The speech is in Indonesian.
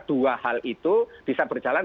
dua hal itu bisa berjalan